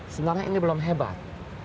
sebenarnya ini belum hebat